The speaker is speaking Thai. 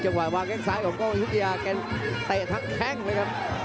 จังหว่าวางแค่ซ้ายของก้องอิทยาลแต่เตะทั้งแค้งเลยครับ